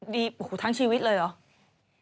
ดีโอ้โฮทั้งชีวิตเลยเหรอ